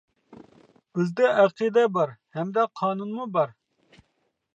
بىزدە ئەقىدە بار، ھەمدە قانۇنمۇ بار.